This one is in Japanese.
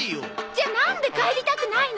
じゃあなんで帰りたくないの？